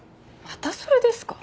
またそれですか。